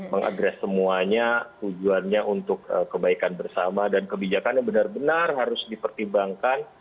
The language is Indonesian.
mengadres semuanya tujuannya untuk kebaikan bersama dan kebijakannya benar benar harus dipertimbangkan